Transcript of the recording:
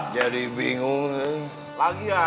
jadi bingung nih